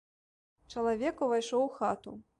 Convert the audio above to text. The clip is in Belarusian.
Чалавек увайшоў у хату.